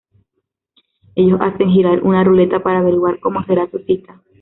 Ellos hacen girar una ruleta para averiguar como será su cita.